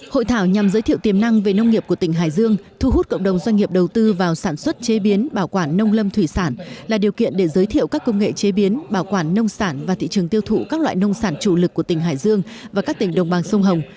hội thảo nhằm giới thiệu tiềm năng về nông nghiệp của tỉnh hải dương thu hút cộng đồng doanh nghiệp đầu tư vào sản xuất chế biến bảo quản nông lâm thủy sản là điều kiện để giới thiệu các công nghệ chế biến bảo quản nông sản và thị trường tiêu thụ các loại nông sản chủ lực của tỉnh hải dương và các tỉnh đồng bằng sông hồng